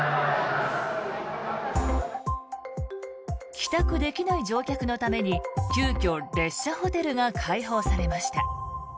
帰宅できない乗客のために急きょ列車ホテルが開設されました。